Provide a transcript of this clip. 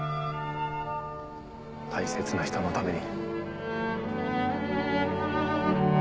大切な人のために。